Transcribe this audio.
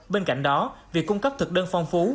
bên cạnh đó việc cung cấp thực đơn phong phú